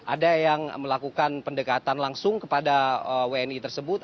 ada yang melakukan pendekatan langsung kepada wni tersebut